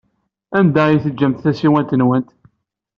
Anda ay teǧǧamt tasiwant-nwent?